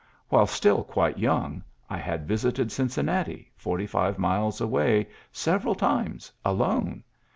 ... While still quite young, visited Cincinnati, forty five miles j several times alone.